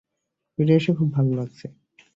ফিরে এসে খুব ভালো লাগছে।